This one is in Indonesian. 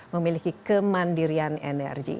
memiliki kemandirian energi